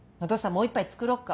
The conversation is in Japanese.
もう一杯作ろっか？